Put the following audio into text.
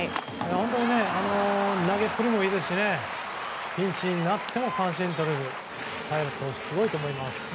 本当に投げっぷりもいいですしピンチになっても三振とれる体力もすごいと思います。